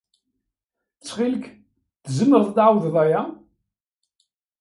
Ttxil-k, tzemreḍ ad d-tɛawdeḍ aya.